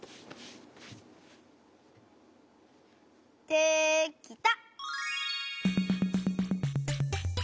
できた！